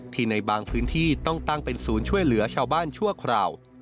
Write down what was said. ในบางพื้นที่ต้องตั้งเป็นศูนย์ช่วยเหลือชาวบ้านชั่วคราว